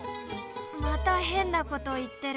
またへんなこといってる。